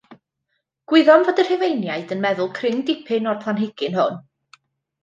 Gwyddom fod y Rhufeiniaid yn meddwl cryn dipyn o'r planhigyn hwn.